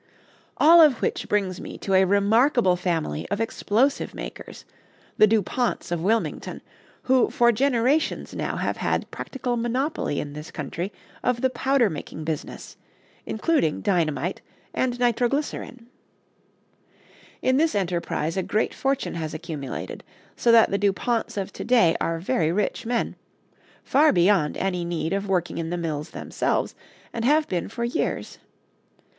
All of which brings me to a remarkable family of explosive makers the Duponts of Wilmington, who for generations now have had practical monopoly in this country of the powder making business, including dynamite and nitroglycerin. In this enterprise a great fortune has accumulated, so that the Duponts of to day are very rich men, far beyond any need of working in the mills themselves, and have been for years.